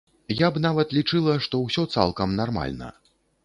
Я б нават лічыла, што ўсё цалкам нармальна.